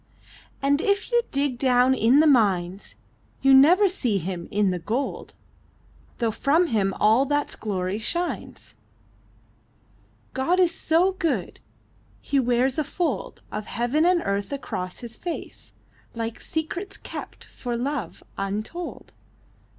And if you dig down in the mines You never see Him in the gold, Though from Him all that's glory shines. God is so good, He wears a fold Of heaven and earth across His face — Like secrets kept, for love, untold.